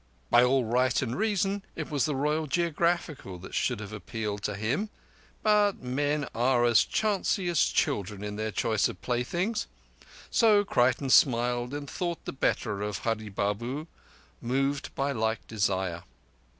By all right and reason, it was the Royal Geographical that should have appealed to him, but men are as chancy as children in their choice of playthings. So Creighton smiled, and thought the better of Hurree Babu, moved by like desire.